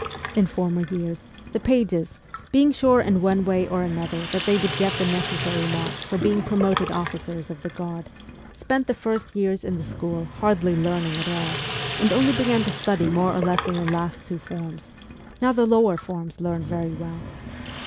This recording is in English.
In former years, the pages, being sure in one way or another that they would get the necessary marks for being promoted officers of the Guard, spent the first years in the school hardly learning at all, and only began to study more or less in the last two forms ; now the lower forms learned very well.